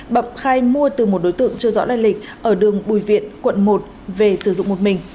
bậm khai mua từ một đối tượng chưa rõ lây lịch ở đường bùi viện quận một về sử dụng một mình